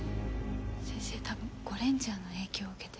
先生多分『ゴレンジャー』の影響を受けて。